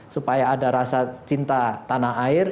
supaya ada rasa cinta tanah air